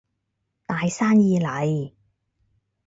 大生意嚟